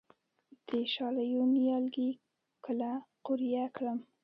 د شالیو نیالګي کله قوریه کړم؟